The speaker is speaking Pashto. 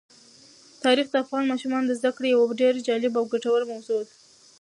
تاریخ د افغان ماشومانو د زده کړې یوه ډېره جالبه او ګټوره موضوع ده.